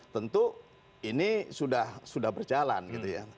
tentu ini sudah berjalan gitu ya